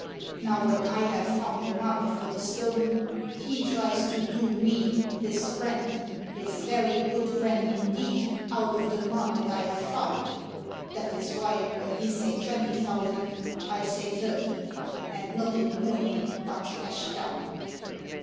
Now, when I have found a market for the stone, he tries to do me, his friend, his very good friend indeed, out of the market I have found. That is why, when he say twenty thousand, I say thirty; and not in the morning, but cash down."